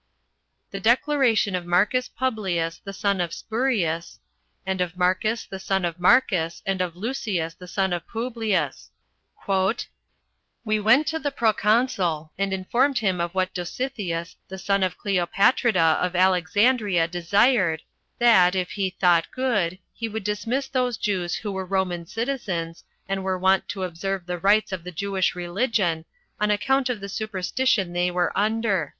The declaration of Marcus Publius, the son of Spurius, and of Marcus, the son of Marcus, and of Lucius, the son of Publius: "We went to the proconsul, and informed him of what Dositheus, the son of Cleopatrida of Alexandria, desired, that, if he thought good, he would dismiss those Jews who were Roman citizens, and were wont to observe the rites of the Jewish religion, on account of the superstition they were under.